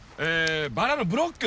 バラのブロック。